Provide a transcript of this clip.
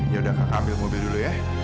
yaudah kakak ambil mobil dulu ya